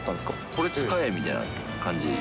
これ、使えみたいな感じで。